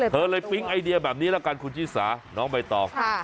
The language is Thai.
เธอเลยปิ๊งไอเดียแบบนี้ละกันคุณชิสาน้องใบตอง